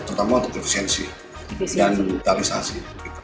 terutama untuk efisiensi dan digitalisasi